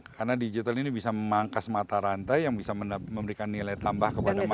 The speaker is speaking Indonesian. karena digital ini bisa memangkas mata rantai yang bisa memberikan nilai tambah kepada masyarakat desa